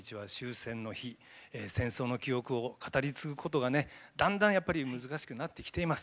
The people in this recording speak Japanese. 戦争の記憶を語り継ぐことがだんだん難しくなってきています。